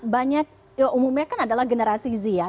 banyak umumnya kan adalah generasi z ya